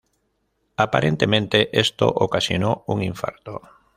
Aparentemente esto ocasionó un infarto.